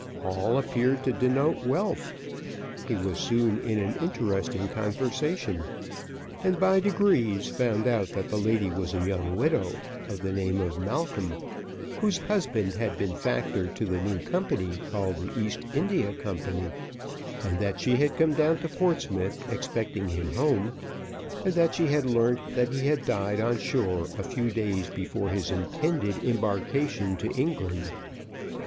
All appeared to denote wealth. He was soon in an interesting conversation, and by degrees found out that the lady was a young widow of the name of Malcolm, whose husband had been factor to the new company, called the East India Company; that she had come down to Portsmouth expecting him home, and that she had learnt that he had died on shore a few days before his intended embarkation for England.